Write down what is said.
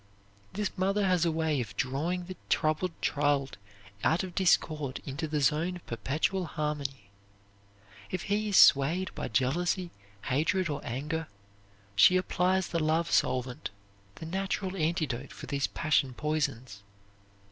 This mother has a way of drawing the troubled child out of discord into the zone of perpetual harmony. If he is swayed by jealousy, hatred, or anger, she applies the love solvent, the natural antidote for these passion poisons.